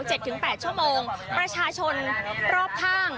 ถึงแปดชั่วโมงประชาชนรอบข้าง